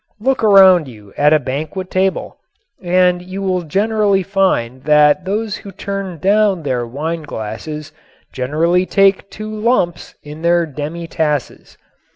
Look around you at a banquet table and you will generally find that those who turn down their wine glasses generally take two lumps in their demi tasses.